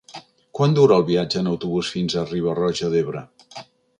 Quant dura el viatge en autobús fins a Riba-roja d'Ebre?